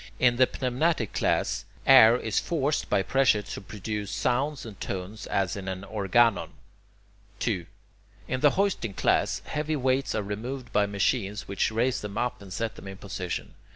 In the pneumatic class, air is forced by pressure to produce sounds and tones as in an [Greek: organon]. 2. In the hoisting class, heavy weights are removed by machines which raise them up and set them in position.